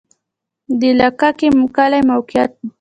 د لکه کی کلی موقعیت